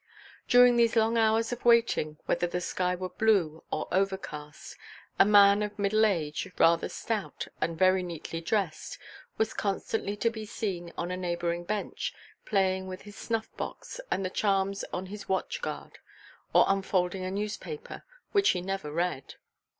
During these long hours of waiting, whether the sky were blue or overcast, a man of middle age, rather stout and very neatly dressed, was constantly to be seen on a neighbouring bench, playing with his snuff box and the charms on his watch guard or unfolding a newspaper, which he never read.